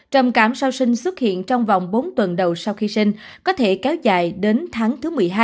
trầm cảm sau sinh xuất hiện trong vòng bốn tuần đầu sau khi sinh có thể kéo dài đến tháng thứ một mươi hai